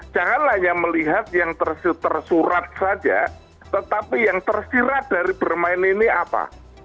jangan hanya melihat yang tersurat saja tetapi yang tersirat dari bermain ini apa